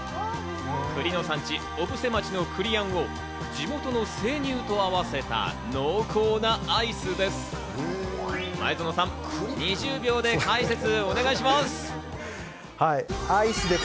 栗の産地、小布施町の栗餡を地元の生乳と合わせた濃厚なアイスです。